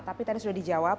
tapi tadi sudah dijawab